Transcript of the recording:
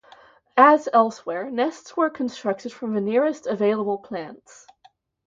As elsewhere, nests were constructed from the nearest available plants.